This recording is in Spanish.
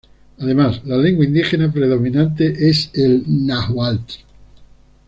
Además, la lengua indígena predominante es el náhuatl.